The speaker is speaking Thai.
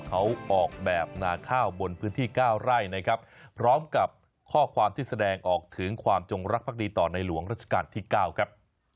เขาออกแบบนาข้าวบนพื้นที่๙ไร่นะครับพร้อมกับข้อความที่แสดงออกถึงความจงรักภักดีต่อในหลวงราชการที่๙ครับ